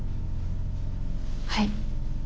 はい。